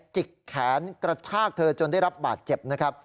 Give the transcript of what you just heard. จิกแขนกระชากเธอจนได้รับบาดเจ็บนะครับ